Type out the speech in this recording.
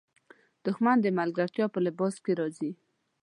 دښمن د ملګرتیا په لباس کې راځي